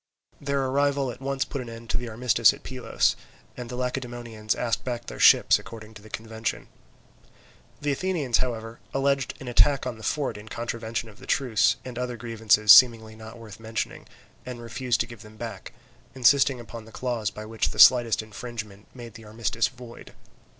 Their arrival at once put an end to the armistice at Pylos, and the Lacedaemonians asked back their ships according to the convention. The Athenians, however, alleged an attack on the fort in contravention of the truce, and other grievances seemingly not worth mentioning, and refused to give them back, insisting upon the clause by which the slightest infringement made the armistice void.